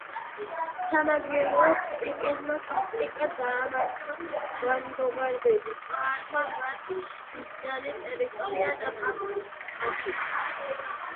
სამაგიეროდ პიპინმა სასტიკად დაამარცხა ლანგობარდები, წაართვა მათ დიდძალი ტერიტორია და პაპს აჩუქა.